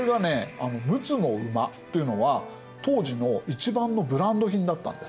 陸奥の馬っていうのは当時の一番のブランド品だったんです。